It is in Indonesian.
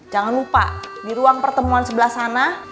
jangan lupa di ruang pertemuan sebelah sana